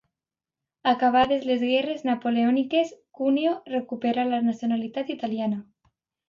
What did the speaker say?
Acabades les guerres napoleòniques, Cuneo recuperà la nacionalitat italiana.